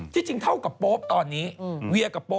ที่จริงเท่ากับโป๊ปตอนนี้